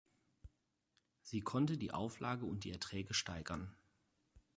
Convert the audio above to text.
Sie konnte die Auflage und die Erträge steigern.